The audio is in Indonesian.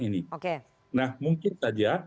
ini nah mungkin saja